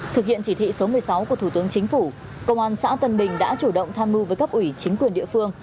thực hiện chỉ thị số một mươi sáu của thủ tướng chính phủ công an xã tân bình đã chủ động tham mưu với cấp ủy chính quyền địa phương